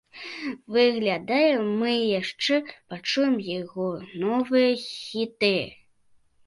Выглядае, мы яшчэ пачуем яго новыя хіты.